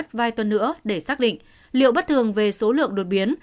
chủ yếu sẽ mất vài tuần nữa để xác định liệu bất thường về số lượng đột biến